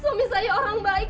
suami saya orang baik